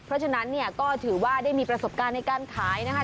เพราะฉะนั้นเนี่ยก็ถือว่าได้มีประสบการณ์ในการขายนะคะ